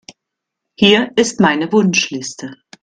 Hier ist meine Wunschliste.